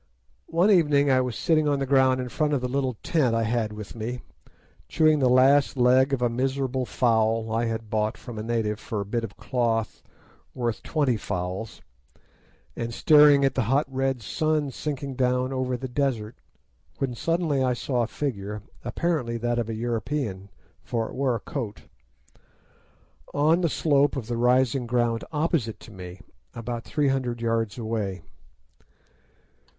One evening I was sitting on the ground in front of the little tent I had with me, chewing the last leg of a miserable fowl I had bought from a native for a bit of cloth worth twenty fowls, and staring at the hot red sun sinking down over the desert, when suddenly I saw a figure, apparently that of a European, for it wore a coat, on the slope of the rising ground opposite to me, about three hundred yards away.